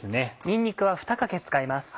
にんにくは２かけ使います。